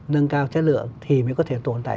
nâng cao chất lượng thì mới có thể tồn tại